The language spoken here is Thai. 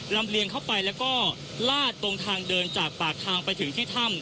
ลำเลียงเข้าไปแล้วก็ลาดตรงทางเดินจากปากทางไปถึงที่ถ้ำ